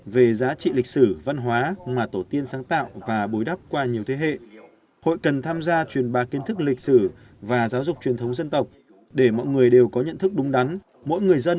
vì sự tiến bộ của nhân loại nói chung